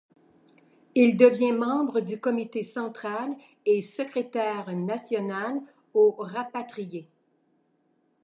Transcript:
Il devient membre du comité central et secrétaire national aux Rapatriés.